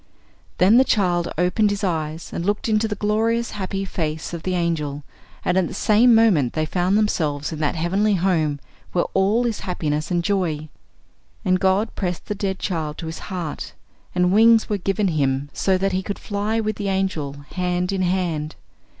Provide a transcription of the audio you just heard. Then the child opened his eyes and looked into the glorious happy face of the angel, and at the same moment they found themselves in that heavenly home where all is happiness and joy. And God pressed the dead child to His heart, and wings were given him so that he could fly with the angel, hand in hand.